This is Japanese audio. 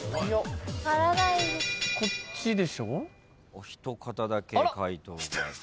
お一方だけ解答が。